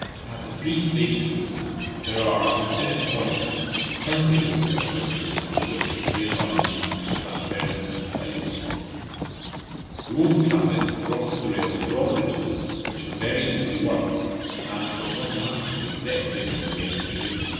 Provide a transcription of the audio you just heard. At the three stations there are, instead of points, turn tables or switches on to which the train runs for transference to sidings. Road traffic crosses the rail on drawbridges, which are very easily worked, and which automatically set signals against the train.